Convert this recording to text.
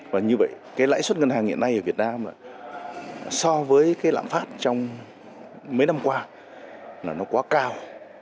và như vậy cái lãi suất ngân hàng hiện nay ở việt nam là so với cái lạm phát trong mấy năm qua là nó quá cao